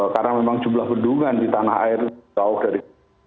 karena memang jumlah bendungan di tanah air jauh dari